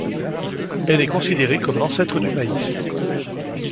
Elle est considérée comme l'ancêtre du maïs.